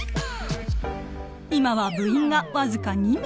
今は部員が僅か２名。